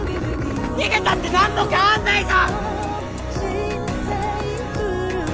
逃げたって何も変わんないぞ！